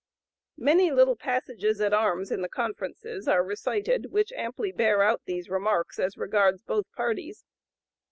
Many little passages at arms in the conferences are recited which amply bear out these remarks as regards both parties.